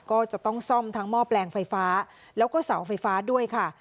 ก็จะต้องซ่อมทั้งหม้อแปลงไฟฟ้าแล้วก็เสาไฟฟ้าด้วยค่ะ